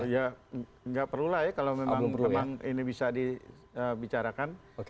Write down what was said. ya nggak perlulah ya kalau memang ini bisa dibicarakan